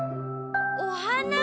おはな？